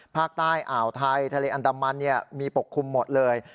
อ่าวไทยทะเลอันดามันมีปกคลุมหมดเลย